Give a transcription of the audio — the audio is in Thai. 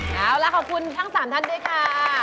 เอาล่ะขอบคุณทั้ง๓ท่านด้วยค่ะ